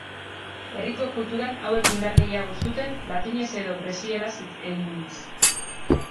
Herriko kulturan hauek indar gehiago zuten latinez edo grezieraz eginez.